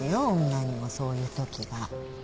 女にもそういうときが。